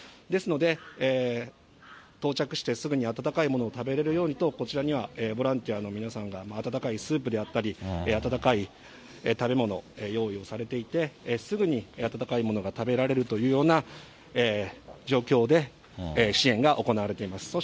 ですので、到着してすぐに温かいものを食べれるようにと、こちらには、ボランティアの皆さんが温かいスープであったり、温かい食べ物、用意をされていて、すぐに温かいものが食べられるというような状況で支援が行われています。